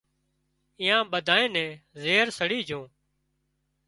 ايئان ٻڌانئين نين زهر سڙي جھون